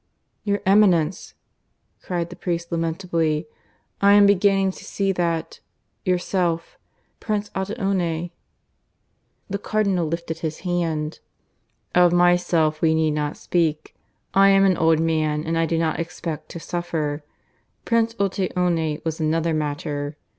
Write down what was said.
"Your Eminence!" cried the priest lamentably, "I am beginning to see that. ... Yourself. ... Prince Otteone. ..." The Cardinal lifted his hand. "Of myself we need not speak. I am an old man, and I do not expect to suffer. Prince Otteone was another matter.